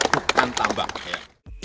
bukan tambang ya